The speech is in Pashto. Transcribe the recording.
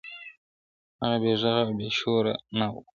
هغه بې ږغه او بې شوره ونه-